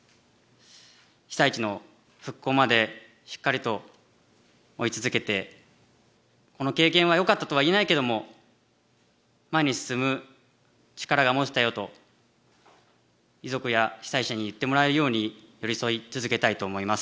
被災地の復興までしっかりと追い続けて「この経験はよかったとは言えないけども前に進む力が持てたよ」と遺族や被災者に言ってもらえるように寄り添い続けたいと思います。